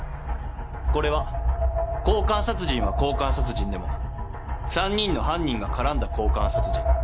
これは交換殺人は交換殺人でも３人の犯人が絡んだ交換殺人。